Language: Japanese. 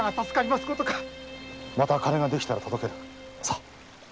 また金ができたら届ける。さ。